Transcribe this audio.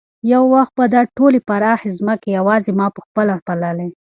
یو وخت به دا ټولې پراخې ځمکې یوازې ما په خپله پاللې.